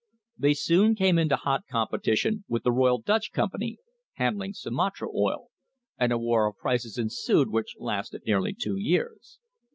They soon came into hot competition with the Royal Dutch Company, handling Sumatra oil, and a war of prices ensued which lasted nearly two years.